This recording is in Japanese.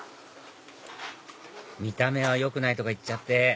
「見た目はよくない」とか言っちゃって！